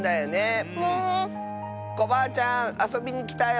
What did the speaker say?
コバアちゃんあそびにきたよ！